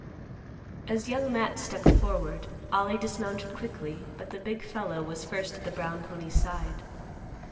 As Young Matt stepped forward, Ollie dismounted quickly, but the big fellow was first at the brown pony's side.